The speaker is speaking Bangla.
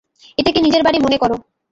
এটাকে নিজের বাড়ি মনে করো।